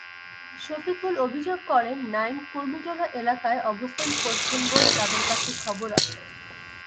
সফিকুল অভিযোগ করেন, নাঈম কুর্মিটোলা এলাকায় অবস্থান করছেন বলে তাঁদের কাছে খবর আছে।